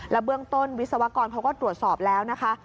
เบื้องต้นวิศวกรเขาก็ตรวจสอบแล้วนะคะ